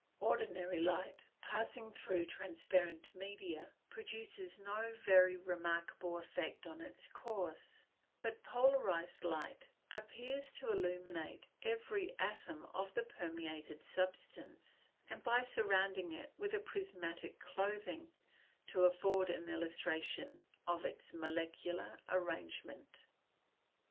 Ordinary light, passing through transparent media, produces no very remarkable effect in its course; but polarized light appears to illuminate every atom of the permeated substance, and by surrounding it with a prismatic clothing, to afford an illustration of its molecular arrangement.